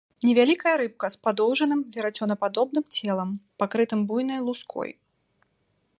Невялікая рыбка з падоўжаным, верацёнападобным целам, пакрытым буйнай луской.